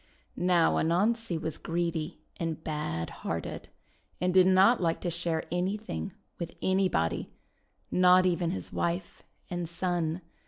Now, Anansi was greedy and bad hearted, and did not like to share anything with anybody, not even with his wife and son.